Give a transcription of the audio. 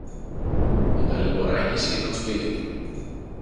Ο Ταλαιπωράκης ήταν σπίτι του.